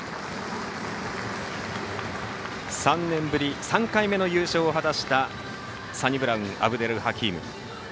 ３年ぶり３回目の優勝を果たしたサニブラウンアブデルハキーム。